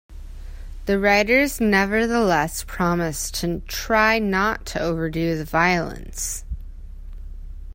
The writers nevertheless promised to try not to overdo the violence.